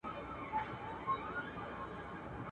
هېري له ابا څه دي لنډۍ د ملالیو.